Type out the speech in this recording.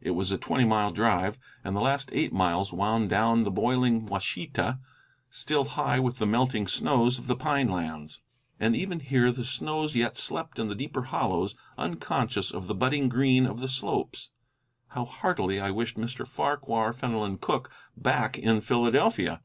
It was a twenty mile drive, and the last eight miles wound down the boiling Washita, still high with the melting snows of the pine lands. And even here the snows yet slept in the deeper hollows. unconscious of the budding green of the slopes. How heartily I wished Mr. Farquhar Fenelon Cooke back in Philadelphia!